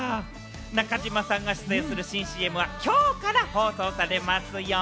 中島さんが出演する新ＣＭはきょうから放送されますよ。